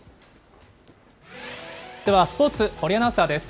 ではスポーツ、堀アナウンサーです。